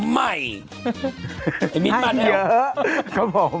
ให้เยอะ